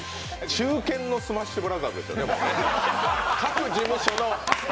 中堅の「スマッシュブラザーズ」ですよね